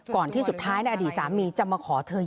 ก่อนที่สุดท้ายอดีตสามีจะมาขอเถลห์